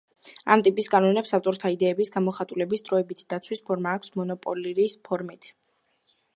ამ ტიპის კანონებს ავტორთა იდეების გამოხატულების დროებითი დაცვის ფორმა აქვს მონოპოლიის ფორმით.